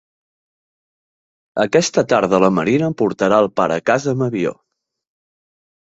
Aquesta tarda la marina portarà el pare a casa amb avió.